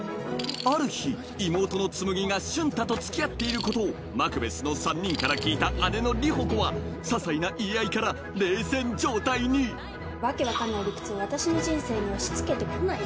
ある日妹のつむぎが瞬太と付き合っていることをマクベスの３人から聞いた姉の里穂子は些細な言い合いから冷戦状態に訳分かんない理屈を私の人生に押し付けて来ないで。